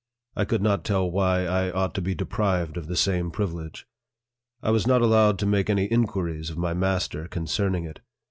I could not tell why I ought to be deprived of the same privilege. I was not allowed to make any inquiries of my master con cerning it.